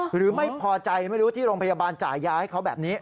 หรือไม่พอใจไม่รู้ที่โรงพยาบาลจ่ายยาให้เขาแบบนี้